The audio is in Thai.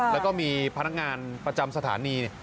แล้วก็มีพนักงานประจำสถานี